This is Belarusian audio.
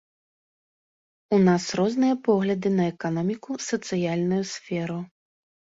У нас розныя погляды на эканоміку, сацыяльную сферу.